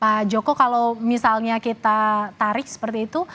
pak joko kalau misalnya kita tarik seperti itu